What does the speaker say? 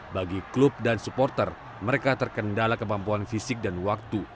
bagi klub dan supporter mereka terkendala kemampuan fisik dan waktu